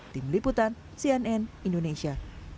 tim liputan cnn indonesia